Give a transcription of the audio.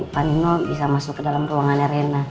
panino bisa masuk ke dalam ruangannya rena